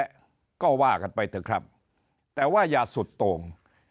แต่ก็ว่ากันไปเถอะครับแต่ว่าอย่าสุดโต่ง